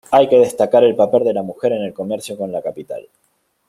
Hay que destacar el papel de la mujer en el comercio con la capital.